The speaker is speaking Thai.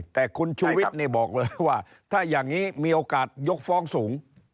แต่คุณชูวิทย์บอกเลยว่าถ้าอย่างนี้มีโอกาสยกฟ้องสูง